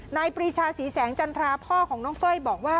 ปรีชาศรีแสงจันทราพ่อของน้องก้อยบอกว่า